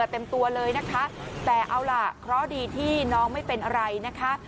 เต็มตัวเลยนะคะแต่เอาล่ะเพราะดีที่น้องไม่เป็นอะไรนะคะ